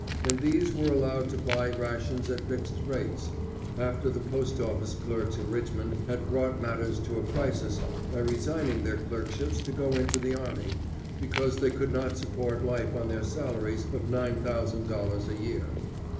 and these were allowed to buy rations at fixed rates, after the post office clerks in Richmond had brought matters to a crisis by resigning their clerkships to go into the army, because they could not support life on their salaries of nine thousand dollars a year.